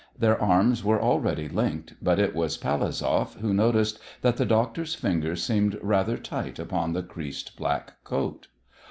Their arms were already linked, but it was Palazov who noticed that the doctor's fingers seemed rather tight upon the creased black coat.